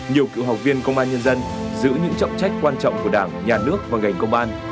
nhiều cựu học viên công an nhân dân giữ những trọng trách quan trọng của đảng nhà nước và ngành công an